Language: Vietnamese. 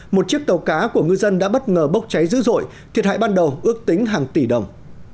một chiếc tàu cá của ngư dân đã bất ngờ bốc cháy dữ dội thiệt hại ban đầu ước tính hàng tỷ đồng